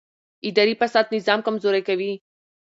اداري فساد نظام کمزوری کوي